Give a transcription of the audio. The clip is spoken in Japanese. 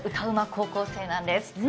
高校生なんです。